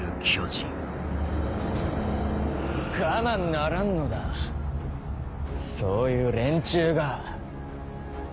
我慢ならんのだそういう連中が！